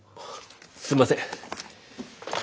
すんません。